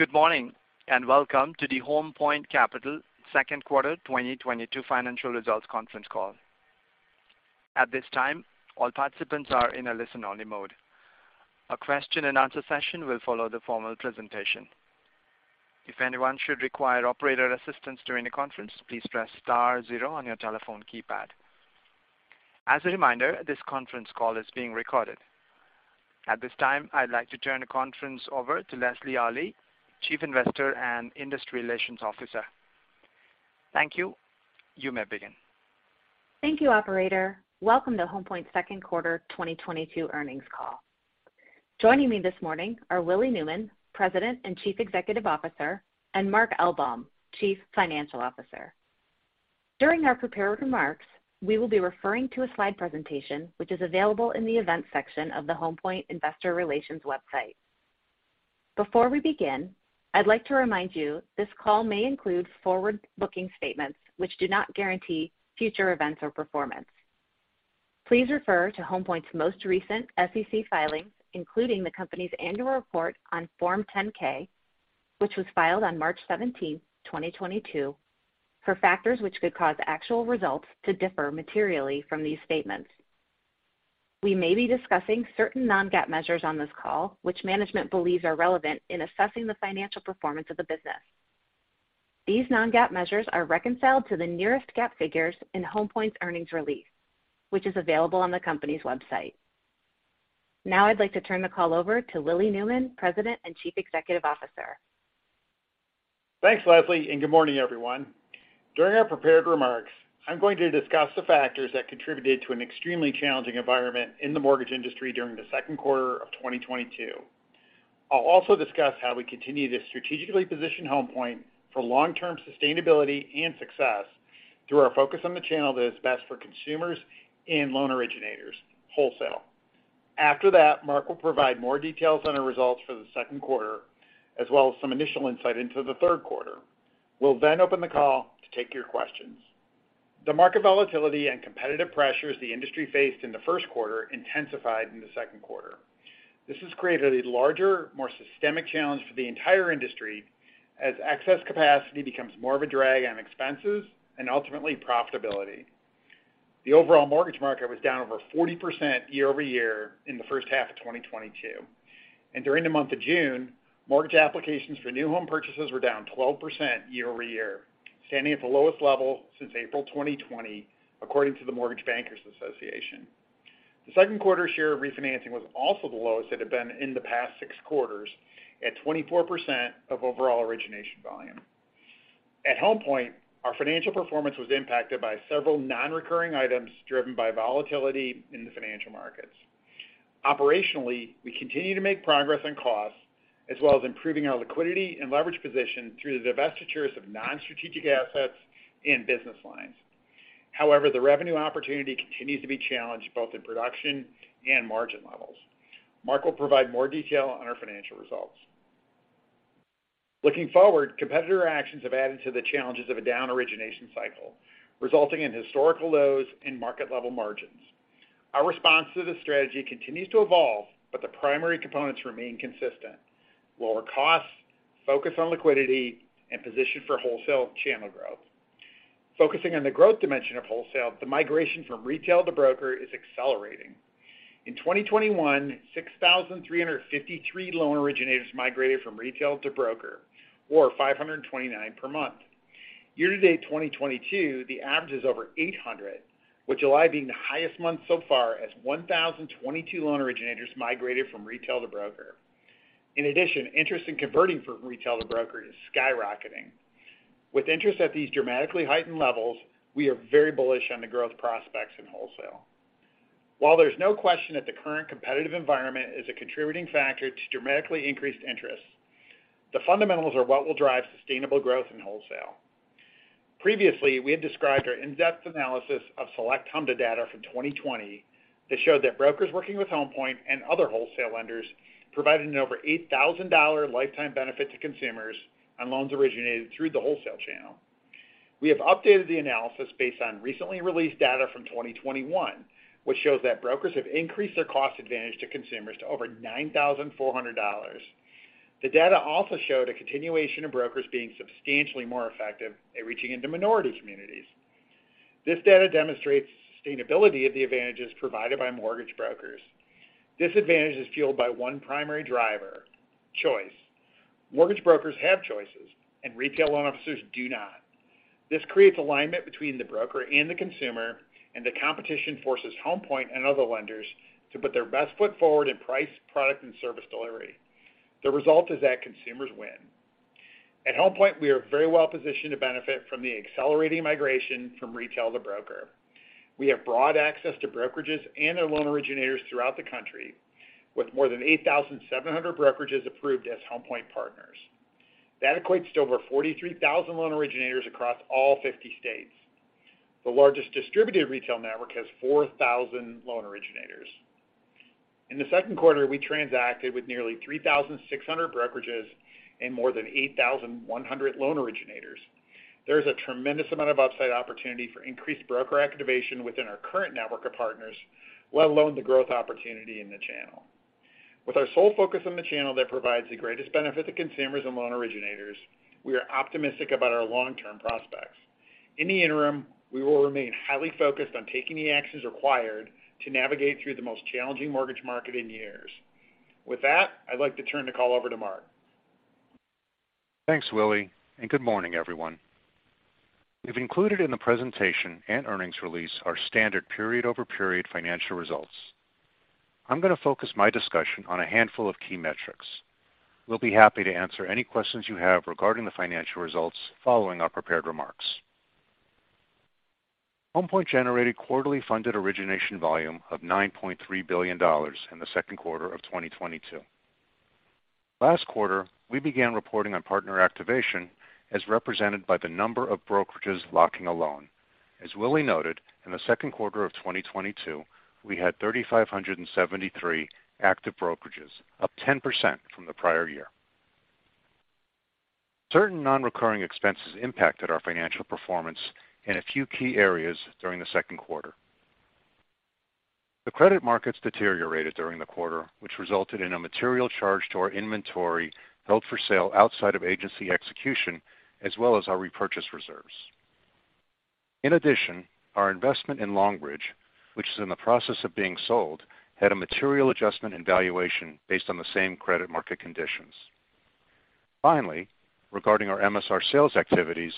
Good morning, and welcome to the Home Point Capital Second Quarter 2022 Financial Results Conference Call. At this time, all participants are in a listen-only mode. A question and answer session will follow the formal presentation. If anyone should require operator assistance during the conference, please press star zero on your telephone keypad. As a reminder, this conference call is being recorded. At this time, I'd like to turn the conference over to Lesley Alli, Chief Investor and Industry Relations Officer. Thank you. You may begin. Thank you, operator. Welcome to Home Point's second quarter 2022 earnings call. Joining me this morning are Willie Newman, President and Chief Executive Officer, and Mark Elbaum, Chief Financial Officer. During our prepared remarks, we will be referring to a slide presentation, which is available in the events section of the Home Point investor relations website. Before we begin, I'd like to remind you this call may include forward-looking statements which do not guarantee future events or performance. Please refer to Home Point's most recent SEC filings, including the company's annual report on Form 10-K, which was filed on March 17, 2022, for factors which could cause actual results to differ materially from these statements. We may be discussing certain non-GAAP measures on this call, which management believes are relevant in assessing the financial performance of the business. These non-GAAP measures are reconciled to the nearest GAAP figures in Home Point's earnings release, which is available on the company's website. Now I'd like to turn the call over to Willie Newman, President and Chief Executive Officer. Thanks, Lesley, and good morning, everyone. During our prepared remarks, I'm going to discuss the factors that contributed to an extremely challenging environment in the mortgage industry during the second quarter of 2022. I'll also discuss how we continue to strategically position Home Point for long-term sustainability and success through our focus on the channel that is best for consumers and loan originators wholesale. After that, Mark will provide more details on our results for the second quarter, as well as some initial insight into the third quarter. We'll then open the call to take your questions. The market volatility and competitive pressures the industry faced in the first quarter intensified in the second quarter. This has created a larger, more systemic challenge for the entire industry as excess capacity becomes more of a drag on expenses and ultimately profitability. The overall mortgage market was down over 40% year-over-year in the first half of 2022. During the month of June, mortgage applications for new home purchases were down 12% year-over-year, standing at the lowest level since April 2020, according to the Mortgage Bankers Association. The second quarter share of refinancing was also the lowest it had been in the past six quarters at 24% of overall origination volume. At Home Point, our financial performance was impacted by several non-recurring items driven by volatility in the financial markets. Operationally, we continue to make progress on costs, as well as improving our liquidity and leverage position through the divestitures of non-strategic assets and business lines. However, the revenue opportunity continues to be challenged both in production and margin levels. Mark will provide more detail on our financial results. Looking forward, competitor actions have added to the challenges of a down origination cycle, resulting in historical lows and market-level margins. Our response to this strategy continues to evolve, but the primary components remain consistent. Lower costs, focus on liquidity, and position for wholesale channel growth. Focusing on the growth dimension of wholesale, the migration from retail to broker is accelerating. In 2021, 6,353 loan originators migrated from retail to broker, or 529 per month. Year to date 2022, the average is over 800, with July being the highest month so far as 1,022 loan originators migrated from retail to broker. In addition, interest in converting from retail to broker is skyrocketing. With interest at these dramatically heightened levels, we are very bullish on the growth prospects in wholesale. While there's no question that the current competitive environment is a contributing factor to dramatically increased interest, the fundamentals are what will drive sustainable growth in wholesale. Previously, we had described our in-depth analysis of select HMDA data from 2020 that showed that brokers working with Home Point and other wholesale lenders provided an over $8,000 lifetime benefit to consumers on loans originated through the wholesale channel. We have updated the analysis based on recently released data from 2021, which shows that brokers have increased their cost advantage to consumers to over $9,400. The data also showed a continuation of brokers being substantially more effective at reaching into minority communities. This data demonstrates sustainability of the advantages provided by mortgage brokers. This advantage is fueled by one primary driver, choice. Mortgage brokers have choices, and retail loan officers do not. This creates alignment between the broker and the consumer, and the competition forces Home Point and other lenders to put their best foot forward in price, product, and service delivery. The result is that consumers win. At Home Point, we are very well positioned to benefit from the accelerating migration from retail to broker. We have broad access to brokerages and their loan originators throughout the country with more than 8,700 brokerages approved as Home Point partners. That equates to over 43,000 loan originators across all 50 states. The largest distributed retail network has 4,000 loan originators. In the second quarter, we transacted with nearly 3,600 brokerages and more than 8,100 loan originators. There's a tremendous amount of upside opportunity for increased broker activation within our current network of partners, let alone the growth opportunity in the channel. With our sole focus on the channel that provides the greatest benefit to consumers and loan originators, we are optimistic about our long-term prospects. In the interim, we will remain highly focused on taking the actions required to navigate through the most challenging mortgage market in years. With that, I'd like to turn the call over to Mark. Thanks, Willie, and good morning, everyone. We've included in the presentation and earnings release our standard period-over-period financial results. I'm gonna focus my discussion on a handful of key metrics. We'll be happy to answer any questions you have regarding the financial results following our prepared remarks. Home Point generated quarterly funded origination volume of $9.3 billion in the second quarter of 2022. Last quarter, we began reporting on partner activation as represented by the number of brokerages locking a loan. As Willie noted, in the second quarter of 2022, we had 3,573 active brokerages, up 10% from the prior year. Certain non-recurring expenses impacted our financial performance in a few key areas during the second quarter. The credit markets deteriorated during the quarter, which resulted in a material charge to our inventory held for sale outside of agency execution, as well as our repurchase reserves. In addition, our investment in Longbridge Financial, which is in the process of being sold, had a material adjustment in valuation based on the same credit market conditions. Finally, regarding our MSR sales activities,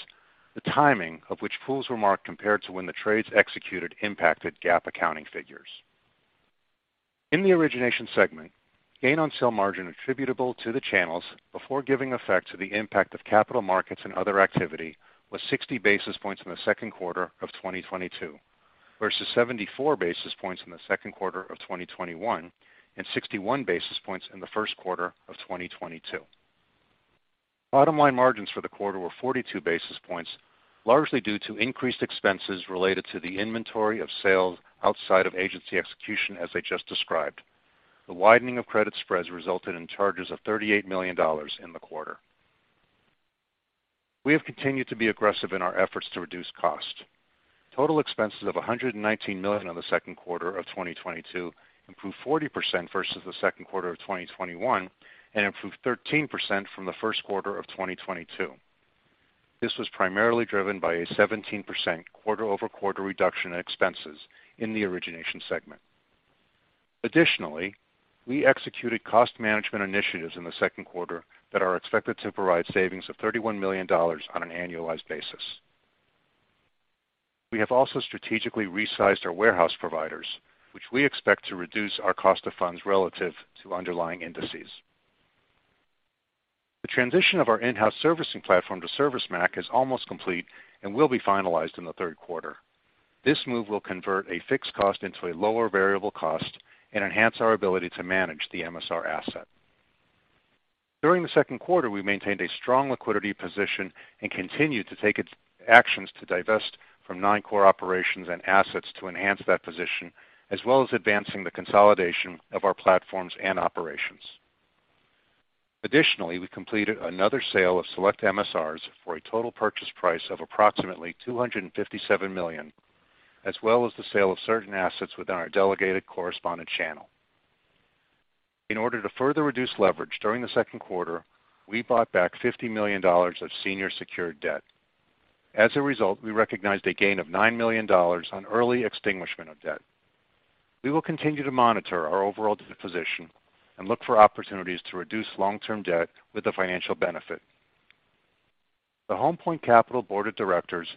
the timing of which pools were marked compared to when the trades executed impacted GAAP accounting figures. In the origination segment, gain on sale margin attributable to the channels before giving effect to the impact of capital markets and other activity was 60 basis points in the second quarter of 2022 versus 74 basis points in the second quarter of 2021, and 61 basis points in the first quarter of 2022. Bottom line margins for the quarter were 42 basis points, largely due to increased expenses related to the inventory of sales outside of agency execution as I just described. The widening of credit spreads resulted in charges of $38 million in the quarter. We have continued to be aggressive in our efforts to reduce cost. Total expenses of $119 million in the second quarter of 2022 improved 40% versus the second quarter of 2021, and improved 13% from the first quarter of 2022. This was primarily driven by a 17% quarter-over-quarter reduction in expenses in the origination segment. Additionally, we executed cost management initiatives in the second quarter that are expected to provide savings of $31 million on an annualized basis. We have also strategically resized our warehouse providers, which we expect to reduce our cost of funds relative to underlying indices. The transition of our in-house servicing platform to ServiceMac is almost complete and will be finalized in the third quarter. This move will convert a fixed cost into a lower variable cost and enhance our ability to manage the MSR asset. During the second quarter, we maintained a strong liquidity position and continued to take its actions to divest from non-core operations and assets to enhance that position, as well as advancing the consolidation of our platforms and operations. Additionally, we completed another sale of select MSRs for a total purchase price of approximately $257 million, as well as the sale of certain assets within our delegated correspondent channel. In order to further reduce leverage during the second quarter, we bought back $50 million of senior secured debt. As a result, we recognized a gain of $9 million on early extinguishment of debt. We will continue to monitor our overall debt position and look for opportunities to reduce long-term debt with a financial benefit. The Home Point Capital Board of Directors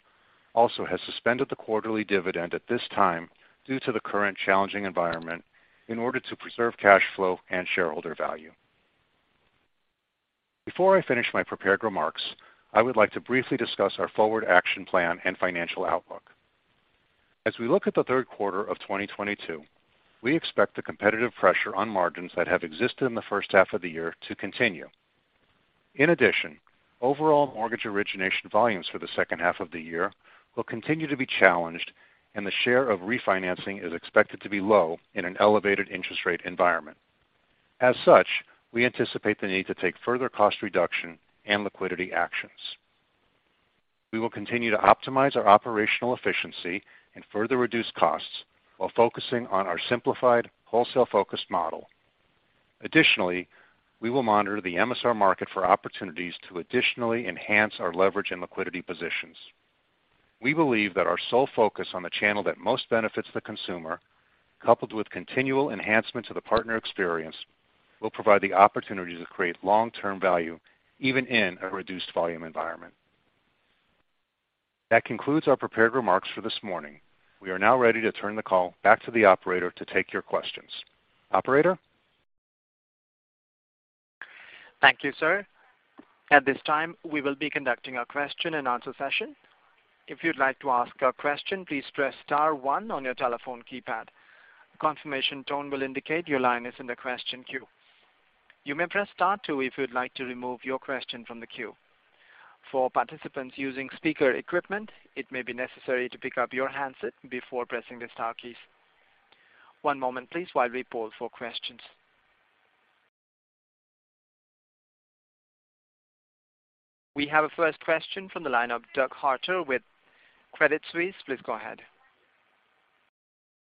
also has suspended the quarterly dividend at this time due to the current challenging environment in order to preserve cash flow and shareholder value. Before I finish my prepared remarks, I would like to briefly discuss our forward action plan and financial outlook. As we look at the third quarter of 2022, we expect the competitive pressure on margins that have existed in the first half of the year to continue. In addition, overall mortgage origination volumes for the second half of the year will continue to be challenged, and the share of refinancing is expected to be low in an elevated interest rate environment. As such, we anticipate the need to take further cost reduction and liquidity actions. We will continue to optimize our operational efficiency and further reduce costs while focusing on our simplified wholesale focused model. Additionally, we will monitor the MSR market for opportunities to additionally enhance our leverage and liquidity positions. We believe that our sole focus on the channel that most benefits the consumer, coupled with continual enhancement to the partner experience, will provide the opportunity to create long-term value even in a reduced volume environment. That concludes our prepared remarks for this morning. We are now ready to turn the call back to the operator to take your questions. Operator? Thank you, sir. At this time, we will be conducting a question and answer session. If you'd like to ask a question, please press star one on your telephone keypad. A confirmation tone will indicate your line is in the question queue. You may press star two if you'd like to remove your question from the queue. For participants using speaker equipment, it may be necessary to pick up your handset before pressing the star keys. One moment please while we poll for questions. We have a first question from the line of Doug Harter with Credit Suisse. Please go ahead.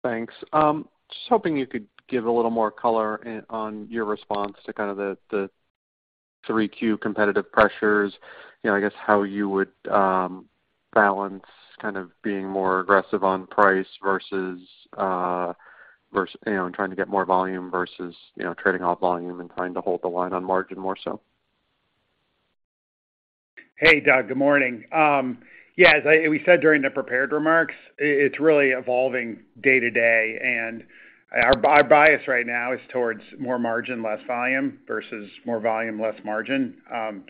Thanks. Just hoping you could give a little more color on your response to kind of the 3Q competitive pressures. You know, I guess how you would balance kind of being more aggressive on price versus you know, trying to get more volume versus, you know, trading off volume and trying to hold the line on margin more so. Hey, Doug. Good morning. Yeah, as we said during the prepared remarks, it's really evolving day to day, and our bias right now is towards more margin, less volume versus more volume, less margin.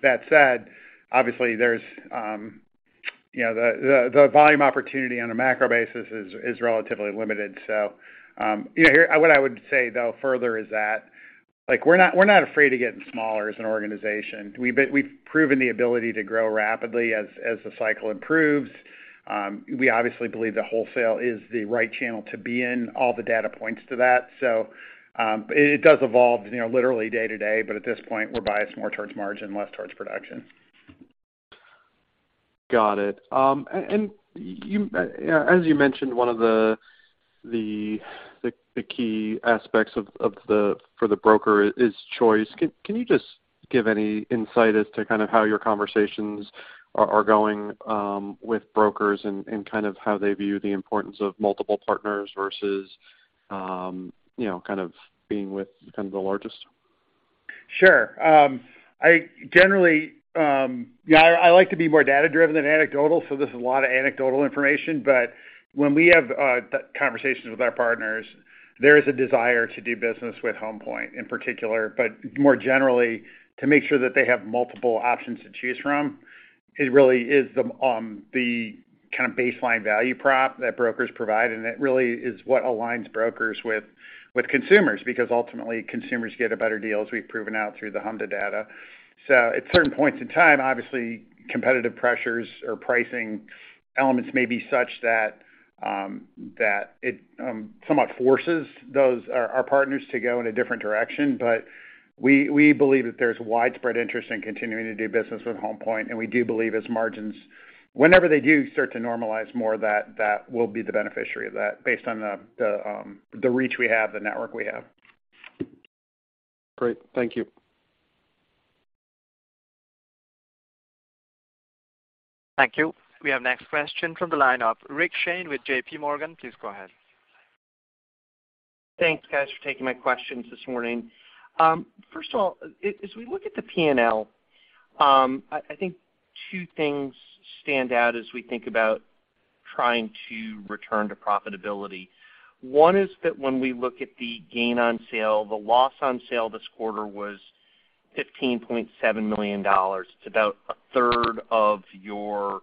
That said, obviously there's you know, the volume opportunity on a macro basis is relatively limited. So, you know, what I would say though further is that, like, we're not afraid of getting smaller as an organization. We've proven the ability to grow rapidly as the cycle improves. We obviously believe that wholesale is the right channel to be in. All the data points to that. So, it does evolve, you know, literally day to day, but at this point, we're biased more towards margin, less towards production. Got it. As you mentioned, one of the key aspects for the broker is choice. Can you just give any insight as to kind of how your conversations are going with brokers and kind of how they view the importance of multiple partners versus, you know, kind of being with kind of the largest? Sure. I generally, you know, I like to be more data-driven than anecdotal, so this is a lot of anecdotal information. When we have conversations with our partners, there is a desire to do business with Home Point in particular, but more generally, to make sure that they have multiple options to choose from. It really is the kind of baseline value prop that brokers provide, and it really is what aligns brokers with consumers because ultimately, consumers get a better deal as we've proven out through the HMDA data. At certain points in time, obviously, competitive pressures or pricing elements may be such that it somewhat forces our partners to go in a different direction. We believe that there's widespread interest in continuing to do business with Home Point, and we do believe as margins whenever they do start to normalize more, that will be the beneficiary of that based on the reach we have, the network we have. Great. Thank you. Thank you. We have next question from the line of Rick Shane with J.P. Morgan. Please go ahead. Thanks, guys, for taking my questions this morning. First of all, as we look at the P&L, I think two things stand out as we think about trying to return to profitability. One is that when we look at the gain on sale, the loss on sale this quarter was $15.7 million. It's about a third of your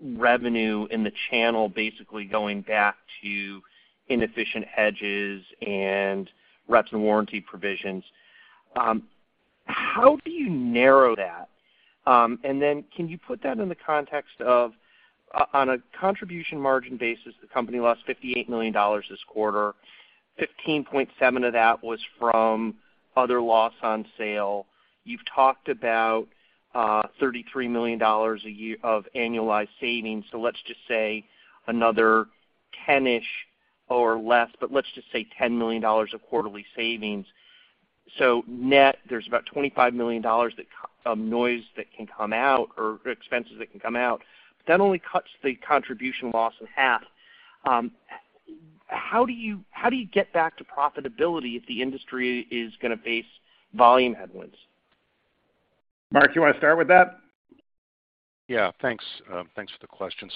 revenue in the channel basically going back to inefficient hedges and reps and warrant provisions. How do you narrow that? Can you put that in the context of on a contribution margin basis, the company lost $58 million this quarter. $15.7 million of that was from other loss on sale. You've talked about $33 million a year of annualized savings, so let's just say another $10 million-ish or less, but let's just say $10 million of quarterly savings. Net, there's about $25 million that of noise that can come out or expenses that can come out. That only cuts the contribution loss in half. How do you get back to profitability if the industry is gonna face volume headwinds? Mark, you want to start with that? Yeah, thanks. Thanks for the question.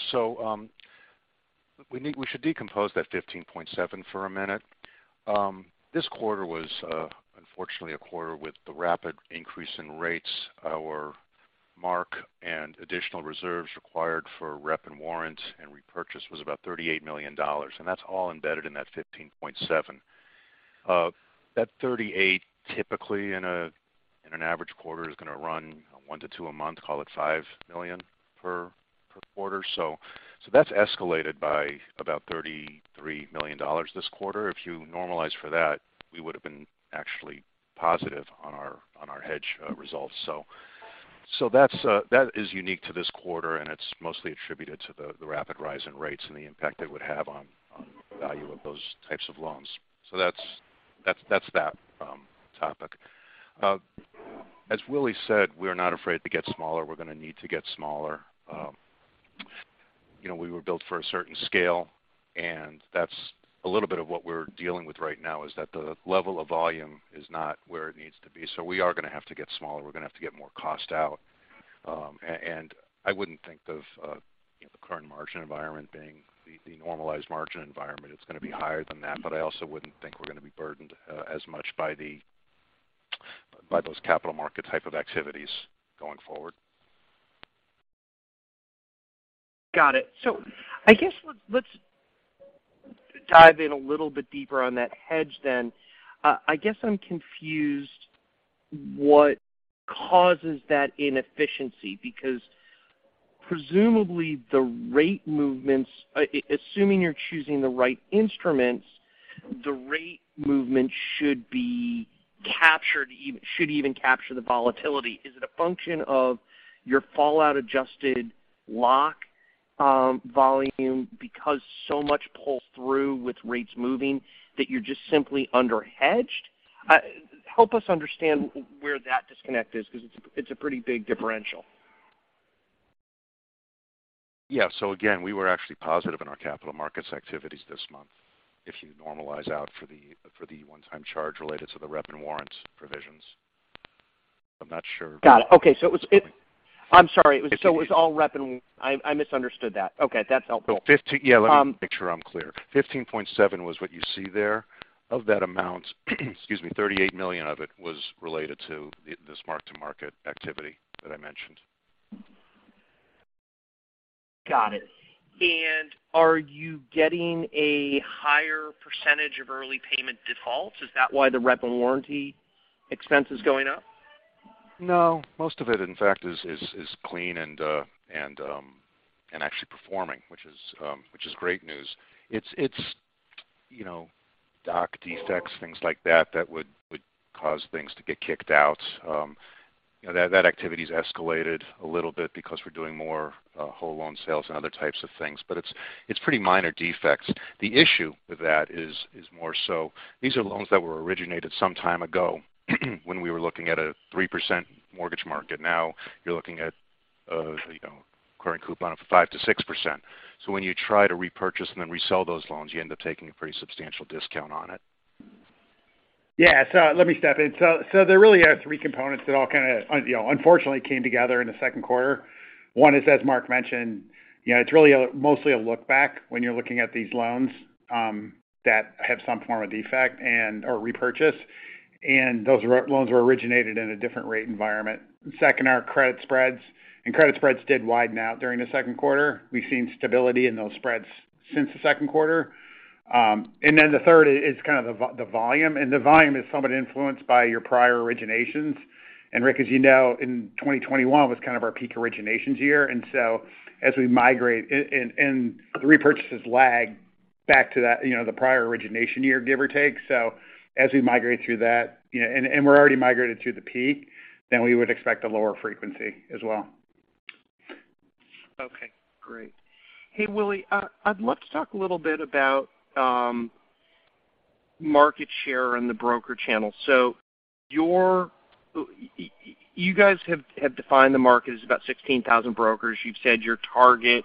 We should decompose that $15.7 million for a minute. This quarter was unfortunately a quarter with the rapid increase in rates. Our mark and additional reserves required for rep and warrant and repurchase was about $38 million, and that's all embedded in that $15.7 million. That $38 million typically in an average quarter is gonna run $1 million-$2 million a month, call it $5 million per quarter. That's escalated by about $33 million this quarter. If you normalize for that, we would've been actually positive on our hedge results. That's unique to this quarter, and it's mostly attributed to the rapid rise in rates and the impact it would have on value of those types of loans. That's that topic. As Willie said, we're not afraid to get smaller. We're gonna need to get smaller. You know, we were built for a certain scale, and that's a little bit of what we're dealing with right now, is that the level of volume is not where it needs to be. We are gonna have to get smaller. We're gonna have to get more cost out. And I wouldn't think of the current margin environment being the normalized margin environment. It's gonna be higher than that, but I also wouldn't think we're gonna be burdened as much by those capital market type of activities going forward. Got it. I guess let's dive in a little bit deeper on that hedge then. I guess I'm confused what causes that inefficiency. Presumably the rate movements, assuming you're choosing the right instruments, the rate movement should even capture the volatility. Is it a function of your fallout adjusted lock volume because so much pulls through with rates moving that you're just simply under-hedged? Help us understand where that disconnect is because it's a pretty big differential. Yeah. Again, we were actually positive in our capital markets activities this month if you normalize for the one-time charge related to the reps and warrants provisions. I'm not sure. Got it. Okay. I'm sorry. It was all rep and warrant. I misunderstood that. Okay. That's helpful. Yeah. Let me make sure I'm clear. $15.7 million was what you see there. Of that amount, excuse me, $38 million of it was related to this mark-to-market activity that I mentioned. Got it. Are you getting a higher percentage of early payment defaults? Is that why the rep and warrant expense is going up? No. Most of it, in fact, is clean and actually performing, which is great news. It's you know, doc defects, things like that would cause things to get kicked out. You know, that activity has escalated a little bit because we're doing more whole loan sales and other types of things, but it's pretty minor defects. The issue with that is more so these are loans that were originated some time ago when we were looking at a 3% mortgage market. Now you're looking at a you know, current coupon of 5%-6%. So when you try to repurchase and then resell those loans, you end up taking a pretty substantial discount on it. Yeah. Let me step in. There really are three components that all kinda, you know, unfortunately came together in the second quarter. One is, as Mark mentioned, you know, it's really mostly a look back when you're looking at these loans that have some form of defect and/or repurchase. And those rep loans were originated in a different rate environment. Second, our credit spreads. Credit spreads did widen out during the second quarter. We've seen stability in those spreads since the second quarter. And then the third is kind of the volume, and the volume is somewhat influenced by your prior originations. Rick, as you know, in 2021 was kind of our peak originations year. As we migrate and the repurchases lag back to that, you know, the prior origination year, give or take. As we migrate through that, you know, we're already migrated through the peak. We would expect a lower frequency as well. Okay, great. Hey, Willie, I'd love to talk a little bit about market share in the broker channel. You guys have defined the market as about 16,000 brokers. You've said your target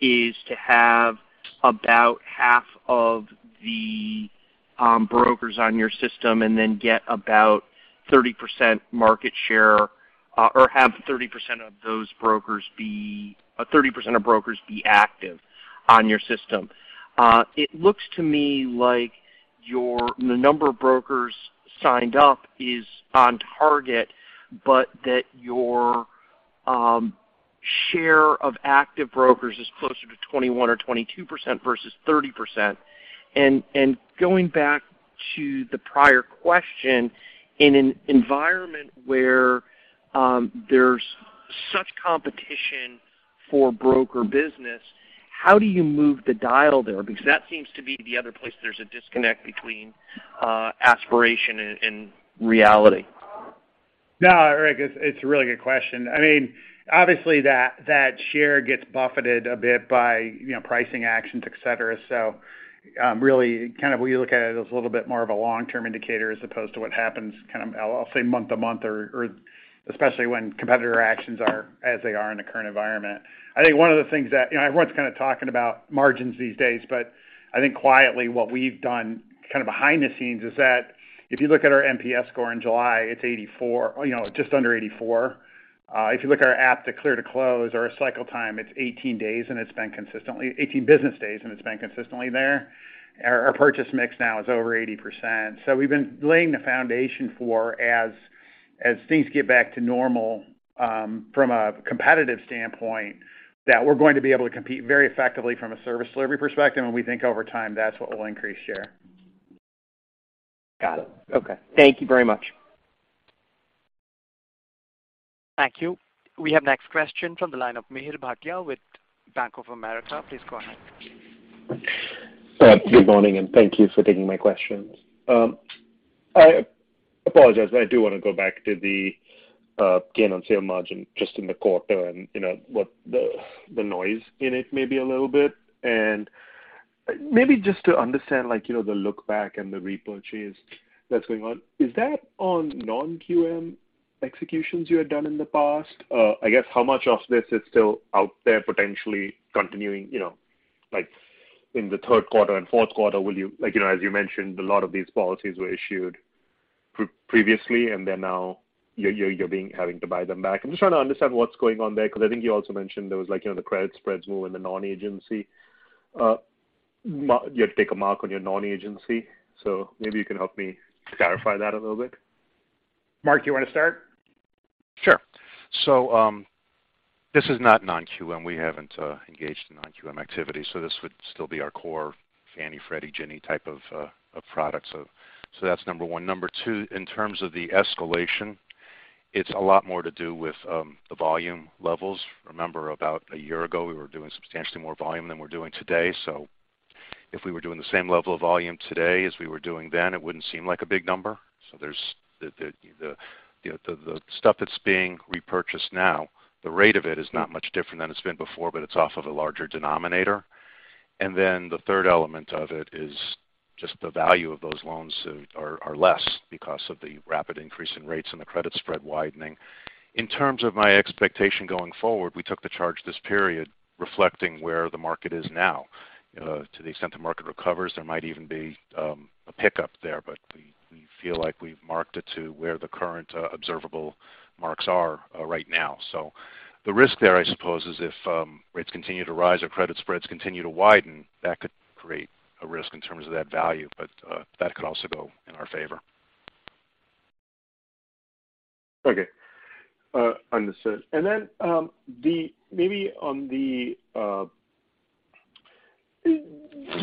is to have about half of the brokers on your system and then get about 30% market share, or have 30% of those brokers be active on your system. It looks to me like the number of brokers signed up is on target, but your share of active brokers is closer to 21% or 22% versus 30%. Going back to the prior question, in an environment where there's such competition for broker business, how do you move the dial there? Because that seems to be the other place there's a disconnect between aspiration and reality. No, Rick, it's a really good question. I mean, obviously, that share gets buffeted a bit by, you know, pricing actions, et cetera. Really kind of we look at it as a little bit more of a long-term indicator as opposed to what happens kind of, I'll say month to month or especially when competitor actions are as they are in the current environment. I think one of the things. You know, everyone's kind of talking about margins these days, but I think quietly what we've done kind of behind the scenes is that if you look at our NPS score in July, it's 84. You know, just under 84. If you look at our app to clear to close or our cycle time, it's 18 days, and it's been consistently 18 business days, and it's been consistently there. Our purchase mix now is over 80%. We've been laying the foundation for as things get back to normal, from a competitive standpoint, that we're going to be able to compete very effectively from a service delivery perspective, and we think over time that's what will increase share. Got it. Okay. Thank you very much. Thank you. We have next question from the line of Mihir Bhatia with Bank of America. Please go ahead. Good morning, and thank you for taking my questions. I apologize. I do wanna go back to the gain on sale margin just in the quarter and, you know, what the noise in it may be a little bit. Maybe just to understand, like, you know, the look back and the repurchase that's going on. Is that on non-QM executions you had done in the past? I guess how much of this is still out there potentially continuing, you know, like in the third quarter and fourth quarter? Will you like, you know, as you mentioned, a lot of these policies were issued previously, and then now you're having to buy them back. I'm just trying to understand what's going on there because I think you also mentioned there was like, you know, the credit spreads move in the non-agency. You had to take a mark on your non-agency. Maybe you can help me clarify that a little bit. Mark, you wanna start? Sure. This is not non-QM. We haven't engaged in non-QM activity, so this would still be our core Fannie, Freddie, Ginnie type of products. That's number one. Number two, in terms of the escalation. It's a lot more to do with the volume levels. Remember, about a year ago, we were doing substantially more volume than we're doing today. If we were doing the same level of volume today as we were doing then, it wouldn't seem like a big number. There's the you know the stuff that's being repurchased now, the rate of it is not much different than it's been before, but it's off of a larger denominator. Then the third element of it is just the value of those loans are less because of the rapid increase in rates and the credit spread widening. In terms of my expectation going forward, we took the charge this period reflecting where the market is now. To the extent the market recovers, there might even be a pickup there, but we feel like we've marked it to where the current observable marks are right now. The risk there, I suppose, is if rates continue to rise or credit spreads continue to widen, that could create a risk in terms of that value, but that could also go in our favor. Okay. Understood. Just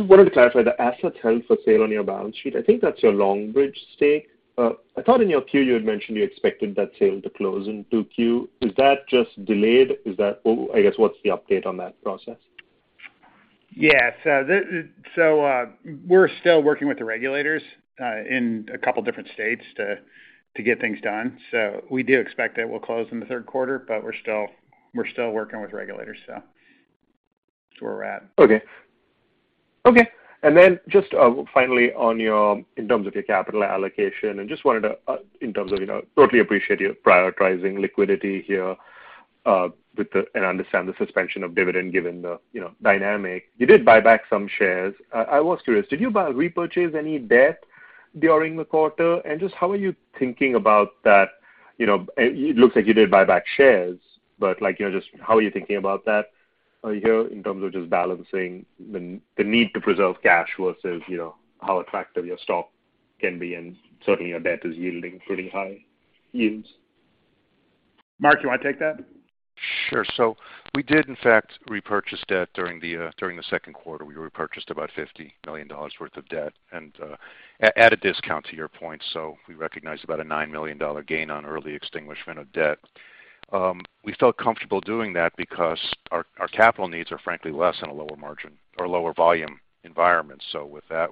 wanted to clarify the assets held for sale on your balance sheet. I think that's your Longbridge stake. I thought in your Q you had mentioned you expected that sale to close in 2Q. Is that just delayed? Or I guess, what's the update on that process? We're still working with the regulators in a couple different states to get things done. We do expect that we'll close in the third quarter, but we're still working with regulators. That's where we're at. Just finally on your capital allocation, I just wanted to in terms of, you know, totally appreciate you prioritizing liquidity here, and understand the suspension of dividend given the, you know, dynamic. You did buy back some shares. I was curious, did you repurchase any debt during the quarter? Just how are you thinking about that? You know, it looks like you did buy back shares, but like, you know, just how are you thinking about that here in terms of just balancing the need to preserve cash versus, you know, how attractive your stock can be? Certainly your debt is yielding pretty high yields. Mark, you want to take that? Sure. We did in fact repurchase debt during the second quarter. We repurchased about $50 million worth of debt and at a discount to your point. We recognized about a $9 million gain on early extinguishment of debt. We felt comfortable doing that because our capital needs are frankly less in a lower margin or lower volume environment. With that,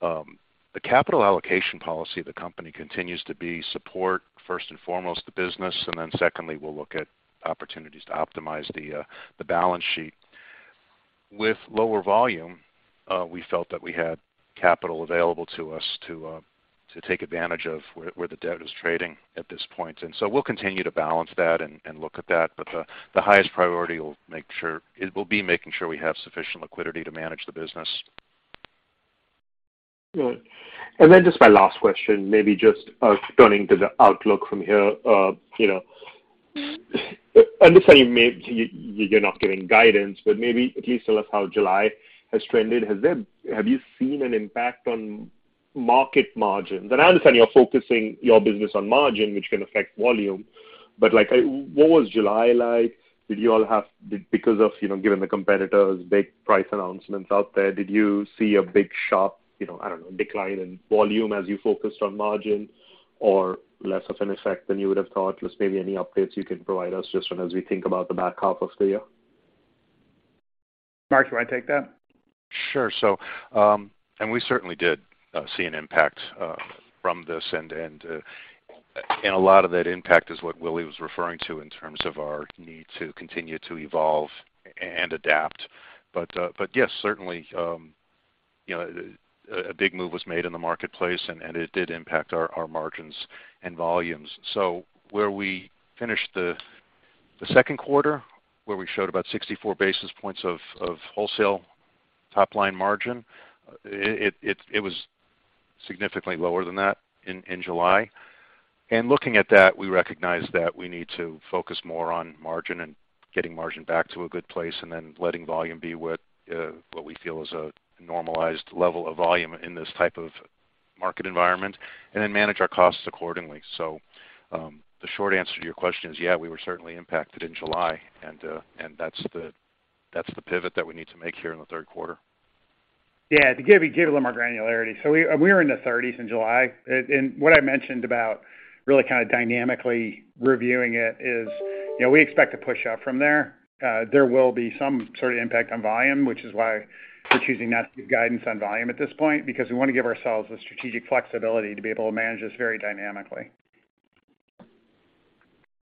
the capital allocation policy of the company continues to be support, first and foremost, the business, and then secondly, we'll look at opportunities to optimize the balance sheet. With lower volume, we felt that we had capital available to us to take advantage of where the debt is trading at this point. We'll continue to balance that and look at that. The highest priority it will be making sure we have sufficient liquidity to manage the business. Good. Then just my last question, maybe just turning to the outlook from here. You know, I understand you may—you're not giving guidance, but maybe at least tell us how July has trended. Have you seen an impact on market margins? I understand you're focusing your business on margin, which can affect volume. But like, what was July like? Because of, you know, given the competitors' big price announcements out there, did you see a big sharp, you know, I don't know, decline in volume as you focused on margin or less of an effect than you would have thought? Just maybe any updates you can provide us just as we think about the back half of the year. Mark, do you want to take that? Sure. We certainly did see an impact from this. A lot of that impact is what Willie was referring to in terms of our need to continue to evolve and adapt. But yes, certainly, you know, a big move was made in the marketplace and it did impact our margins and volumes. Where we finished the second quarter, where we showed about 64 basis points of wholesale top line margin, it was significantly lower than that in July. Looking at that, we recognized that we need to focus more on margin and getting margin back to a good place, and then letting volume be what we feel is a normalized level of volume in this type of market environment, and then manage our costs accordingly. The short answer to your question is, yeah, we were certainly impacted in July, and that's the pivot that we need to make here in the third quarter. Yeah. To give a little more granularity. We were in the 30s in July. What I mentioned about really kind of dynamically reviewing it is, you know, we expect to push up from there. There will be some sort of impact on volume, which is why we're choosing not to give guidance on volume at this point, because we want to give ourselves the strategic flexibility to be able to manage this very dynamically.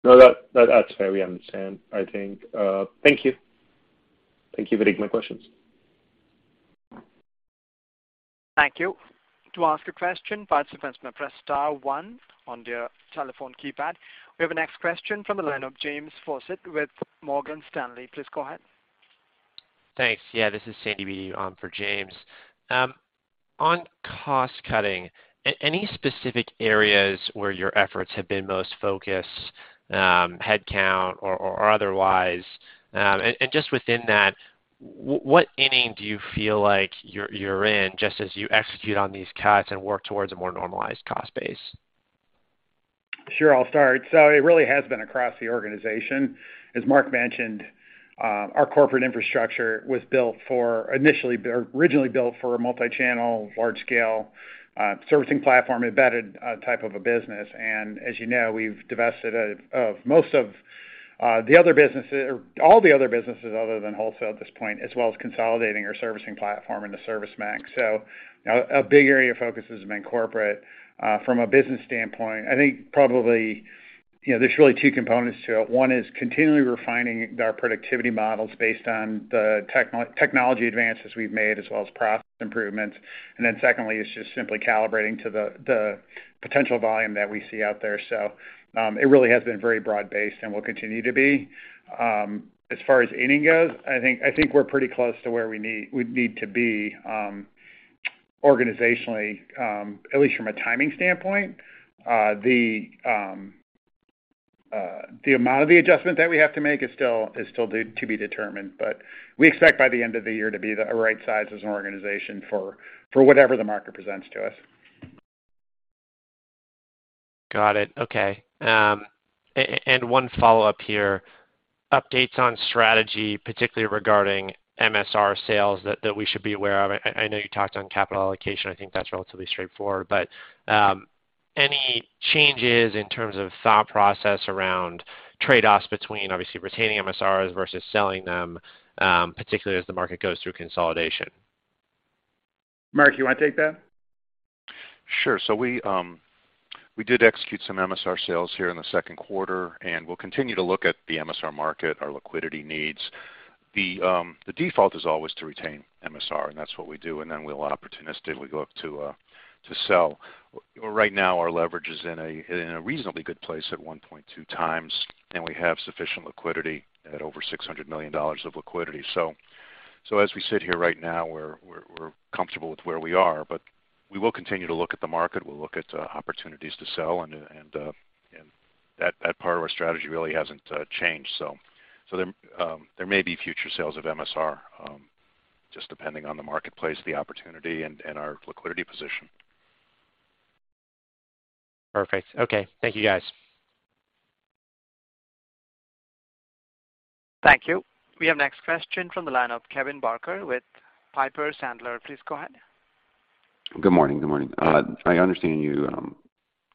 No, that's fair. We understand, I think. Thank you. Thank you. That concludes my questions. Thank you. To ask a question, participants may press star one on their telephone keypad. We have our next question from the line of James Faucette with Morgan Stanley. Please go ahead. Thanks. Yeah. This is Sandy V on for James. On cost cutting, any specific areas where your efforts have been most focused, headcount or otherwise? Just within that, what inning do you feel like you're in just as you execute on these cuts and work towards a more normalized cost base? Sure, I'll start. It really has been across the organization. As Mark mentioned, our corporate infrastructure was originally built for a multi-channel, large scale, servicing platform-embedded type of a business. As you know, we've divested of most of the other businesses other than wholesale at this point, as well as consolidating our servicing platform into ServiceMac. You know, a big area of focus has been corporate. From a business standpoint, I think probably, you know, there's really two components to it. One is continually refining our productivity models based on the technology advances we've made, as well as process improvements. Secondly is just simply calibrating to the potential volume that we see out there. It really has been very broad-based and will continue to be. As far as hiring goes, I think we're pretty close to where we need to be, organizationally, at least from a timing standpoint. The amount of the adjustment that we have to make is still to be determined. We expect by the end of the year to be the right size as an organization for whatever the market presents to us. Got it. Okay. One follow-up here. Updates on strategy, particularly regarding MSR sales that we should be aware of. I know you talked on capital allocation. I think that's relatively straightforward. Any changes in terms of thought process around trade-offs between obviously retaining MSRs versus selling them, particularly as the market goes through consolidation? Mark, you wanna take that? Sure. We did execute some MSR sales here in the second quarter, and we'll continue to look at the MSR market, our liquidity needs. The default is always to retain MSR, and that's what we do, and then we'll opportunistically look to sell. Right now, our leverage is in a reasonably good place at 1.2x, and we have sufficient liquidity at over $600 million of liquidity. As we sit here right now, we're comfortable with where we are, but we will continue to look at the market. We'll look at opportunities to sell and that part of our strategy really hasn't changed. There may be future sales of MSR just depending on the marketplace, the opportunity, and our liquidity position. Perfect. Okay. Thank you, guys. Thank you. We have next question from the line of Kevin Barker with Piper Sandler. Please go ahead. Good morning. I understand you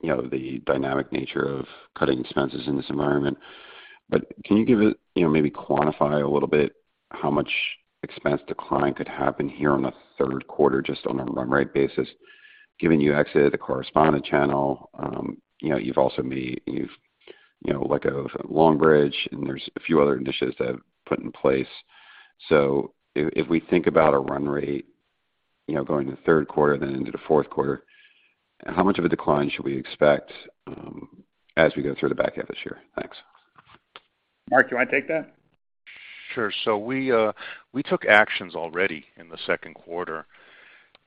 know, the dynamic nature of cutting expenses in this environment. Can you give a, you know, maybe quantify a little bit how much expense decline could happen here on the third quarter, just on a run rate basis? Given you exited the correspondent channel, you know, you've also, you know, let go of Longbridge, and there's a few other initiatives that put in place. If we think about a run rate, you know, going into third quarter then into the fourth quarter, how much of a decline should we expect, as we go through the back half this year? Thanks. Mark, do you want to take that? Sure. We took actions already in the second quarter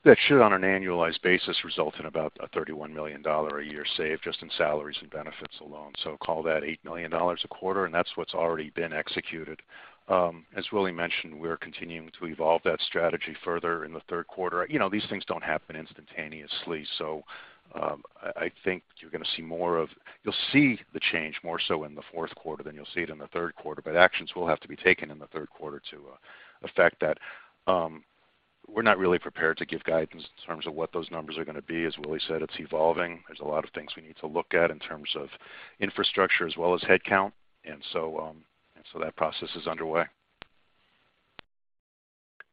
that should on an annualized basis result in about a $31 million a year save just in salaries and benefits alone. Call that $8 million a quarter, and that's what's already been executed. As Willie mentioned, we're continuing to evolve that strategy further in the third quarter. You know, these things don't happen instantaneously, I think you're gonna see more of. You'll see the change more so in the fourth quarter than you'll see it in the third quarter, but actions will have to be taken in the third quarter to affect that. We're not really prepared to give guidance in terms of what those numbers are gonna be. As Willie said, it's evolving. There's a lot of things we need to look at in terms of infrastructure as well as headcount. That process is underway.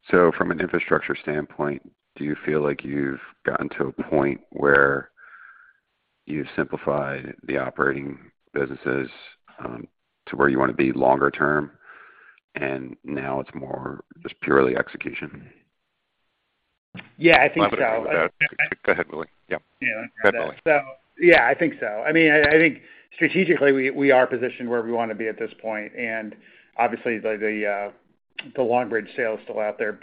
From an infrastructure standpoint, do you feel like you've gotten to a point where you've simplified the operating businesses, to where you wanna be longer term, and now it's more just purely execution? Yeah, I think so. Go ahead, Willie. Yeah. Yeah, I think so. I mean, I think strategically we are positioned where we wanna be at this point. Obviously the Longbridge sale is still out there.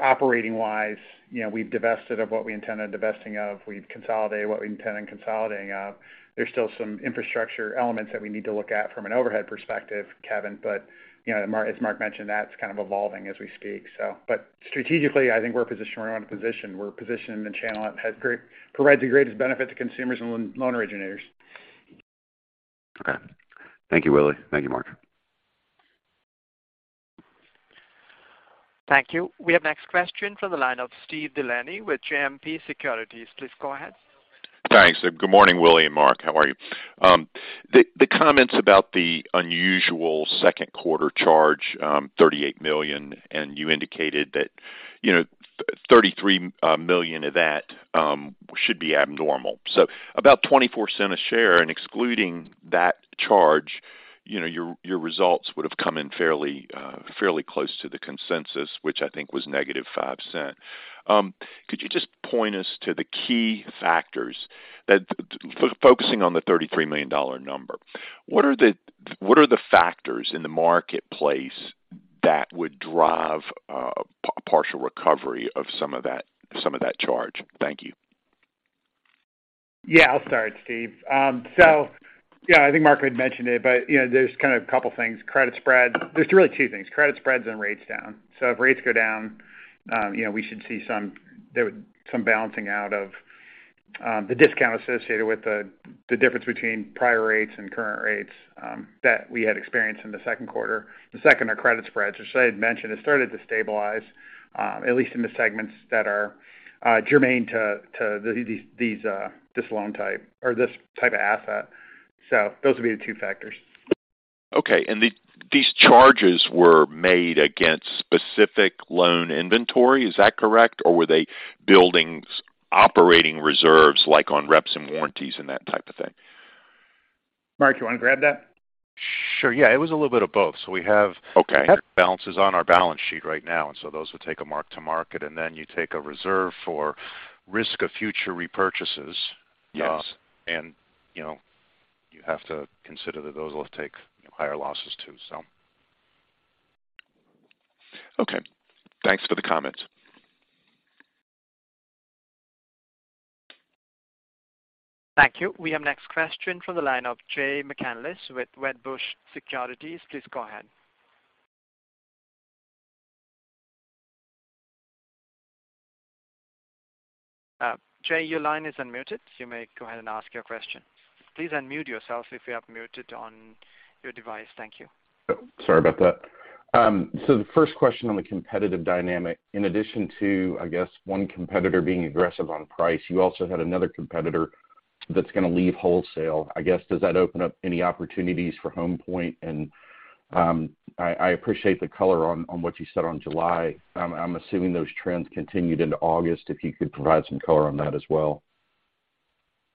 Operating wise, you know, we've divested of what we intended divesting of. We've consolidated what we intended consolidating of. There's still some infrastructure elements that we need to look at from an overhead perspective, Kevin, but you know, as Mark mentioned, that's kind of evolving as we speak. Strategically, I think we're positioned where we want to position. We're positioned in the channel that provides the greatest benefit to consumers and loan originators. Okay. Thank you, Willie. Thank you, Mark. Thank you. We have next question from the line of Steve DeLaney with JMP Securities. Please go ahead. Thanks. Good morning, Willie and Mark. How are you? The comments about the unusual second quarter charge, $38 million, and you indicated that, you know, $33 million of that should be abnormal. About $0.24 a share, and excluding that charge, you know, your results would have come in fairly close to the consensus, which I think was negative $0.05. Could you just point us to the key factors that. Focusing on the $33 million number, what are the factors in the marketplace that would drive a partial recovery of some of that charge? Thank you. I'll start, Steve. I think Mark had mentioned it, but, you know, there's kind of a couple things. Credit spread. There's really two things: credit spreads and rates down. If rates go down, you know, we should see some balancing out of the discount associated with the difference between prior rates and current rates that we had experienced in the second quarter. The second are credit spreads, which I had mentioned, has started to stabilize, at least in the segments that are germane to this loan type or this type of asset. Those would be the two factors. Okay. These charges were made against specific loan inventory. Is that correct? Or were they building operating reserves like on reps and warranties and that type of thing? Mark, you wanna grab that? Sure. Yeah. It was a little bit of both. We have balances on our balance sheet right now, and so those would take a mark-to-market, and then you take a reserve for risk of future repurchases. You know, you have to consider that those will take higher losses too, so. Okay. Thanks for the comment. Thank you. We have next question from the line of Jay McCanless with Wedbush Securities. Please go ahead. Jay, your line is unmuted. You may go ahead and ask your question. Please unmute yourself if you have muted on your device. Thank you. Oh, sorry about that. The first question on the competitive dynamic, in addition to, I guess, one competitor being aggressive on price, you also had another competitor that's gonna leave wholesale. I guess, does that open up any opportunities for Home Point? I appreciate the color on what you said on July. I'm assuming those trends continued into August, if you could provide some color on that as well.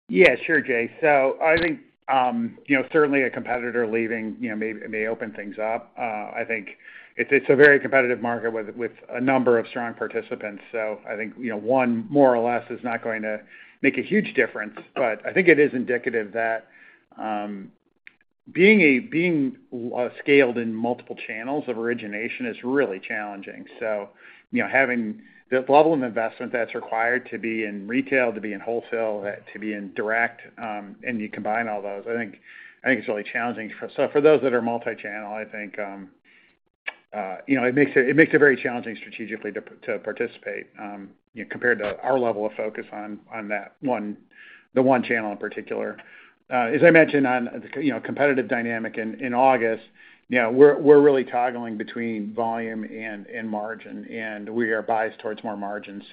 Yeah, sure, Jay. I think, you know, certainly a competitor leaving, you know, may open things up. I think it's a very competitive market with a number of strong participants. I think, you know, one more or less is not going to make a huge difference. I think it is indicative that being scaled in multiple channels of origination is really challenging. You know, having the level of investment that's required to be in retail, to be in wholesale, to be in direct, and you combine all those. I think it's really challenging. For those that are multi-channel, I think, you know, it makes it very challenging strategically to participate, compared to our level of focus on that one, the one channel in particular. As I mentioned on, you know, competitive dynamic in August, you know, we're really toggling between volume and margin, and we are biased towards more margin.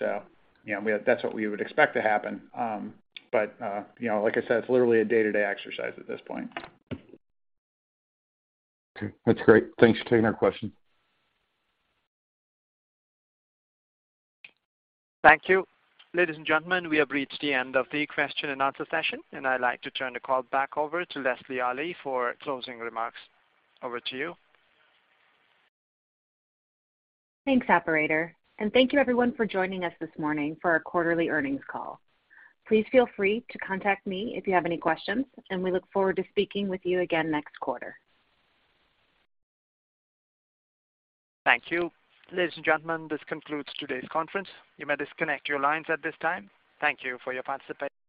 You know, we have, that's what we would expect to happen. You know, like I said, it's literally a day-to-day exercise at this point. Okay. That's great. Thanks for taking our question. Thank you. Ladies and gentlemen, we have reached the end of the question and answer session, and I'd like to turn the call back over to Lesley Alli for closing remarks. Over to you. Thanks, operator. Thank you everyone for joining us this morning for our quarterly earnings call. Please feel free to contact me if you have any questions, and we look forward to speaking with you again next quarter. Thank you. Ladies and gentlemen, this concludes today's conference. You may disconnect your lines at this time. Thank you for your participation.